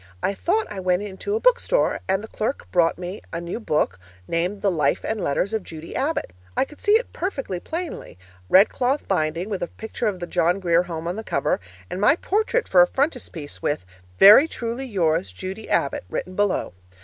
I thought I went into a book store and the clerk brought me a new book named The Life and Letters of Judy Abbott. I could see it perfectly plainly red cloth binding with a picture of the John Grier Home on the cover, and my portrait for a frontispiece with, 'Very truly yours, Judy Abbott,' written below.